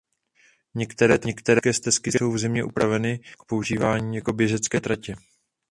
Některé turistické stezky jsou v zimě upraveny k používání jako běžecké tratě.